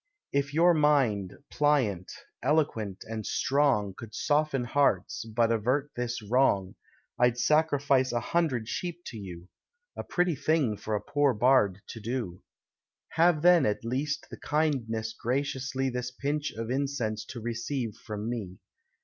If your mind, pliant, eloquent, and strong, Could soften hearts, and but avert this wrong, I'd sacrifice a hundred sheep to you A pretty thing for a poor bard to do. Have then, at least, the kindness graciously This pinch of incense to receive from me.